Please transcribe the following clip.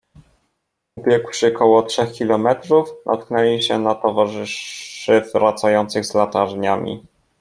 Ubiegłszy około trzech kilometrów, natknęli się na towarzyszy wracających z latarniami.